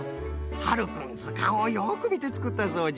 ハルくんずかんをよくみてつくったそうじゃ。